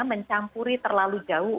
mencampuri terlalu jauh